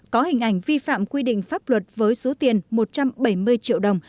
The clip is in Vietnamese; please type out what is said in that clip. có hình ảnh vi phạm quy định pháp luật với số tiền một trăm bảy mươi triệu đồng